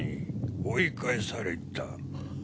追い返された？